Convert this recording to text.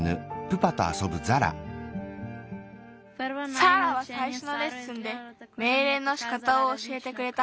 サーラはさいしょのレッスンでめいれいのしかたをおしえてくれた。